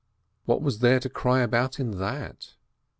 What was there to cry about in that